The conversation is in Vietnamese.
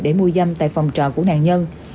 để mua dâm tại phòng trọ của nạn nhân